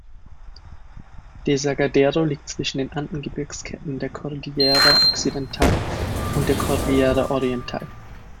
Desaguadero liegt zwischen den Anden-Gebirgsketten der Cordillera Occidental und der Cordillera Oriental.